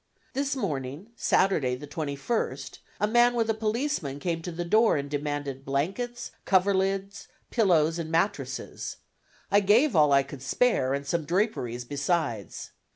This morning (Saturday, the 21st) a man with a policeman came to the door and demanded blankets, cover lids, pillows, and mattresses. I gave all I could spare, and some draperies besides.